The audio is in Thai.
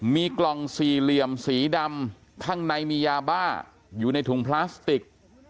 มีกล่องสี่เหลี่ยมสีดำข้างในมียาบ้าอยู่ในถุงพลาสติก